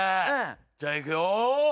じゃあいくよ。